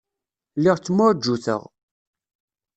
Lliɣ ttemɛujjuteɣ.